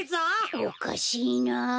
おかしいなあ。